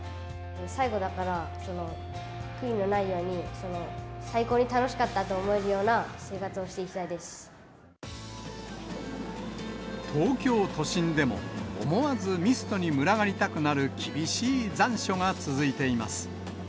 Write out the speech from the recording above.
最後だから、悔いのないように最高に楽しかったと思えるような生活をしていき東京都心でも、思わずミストに群がりたくなる厳しい残暑が続いています。